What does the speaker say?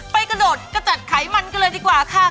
กระโดดกระจัดไขมันกันเลยดีกว่าค่ะ